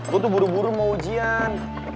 gue tuh buru buru mau ujian